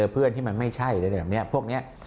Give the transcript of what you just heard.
เพื่อนที่มันไม่ใช่อะไรแบบนี้พวกนี้